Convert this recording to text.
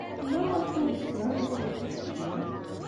Maɣef ur d-tettnadiḍ ɣef uxeddim?